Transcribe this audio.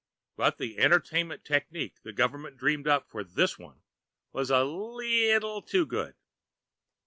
but the entertainment technique the government dreamed up for this one was a leeetle too good...!